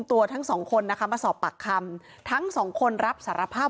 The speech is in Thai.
ตัวทั้งสองคนนะคะมาสอบปากคำทั้งสองคนรับสารภาพ